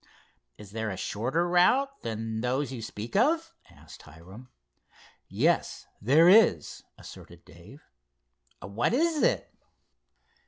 "Is there a shorter route than those you speak of?" asked Hiram. "Yes, there is," asserted Dave. "What is it?"